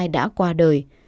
đã qua đời